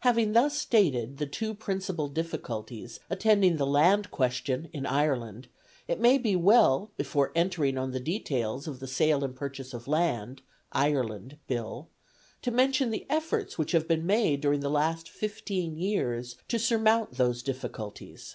Having thus stated the two principal difficulties attending the Land question in Ireland, it may be well before entering on the details of the Sale and Purchase of Land (Ireland) Bill, to mention the efforts which have been made during the last fifteen years to surmount those difficulties.